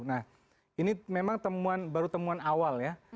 nah ini memang temuan baru temuan awal ya